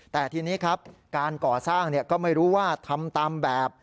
แต่ทีนี้ครับการก่อสร้างก็ไม่รู้ว่าทำตามแบบ